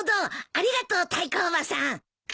ありがとうタイコおばさん。